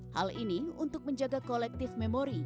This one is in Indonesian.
hal ini untuk menjaga collective memory